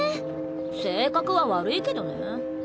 性格は悪いけどね。